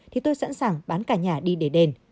thì tôi sẵn sàng bán cả nhà đi để đền